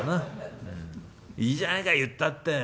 いいじゃないか言ったって。